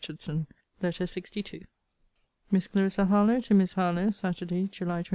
HARLOWE. LETTER LXII MISS CLARISSA HARLOWE, TO MISS HARLOWE SATURDAY, JULY 29.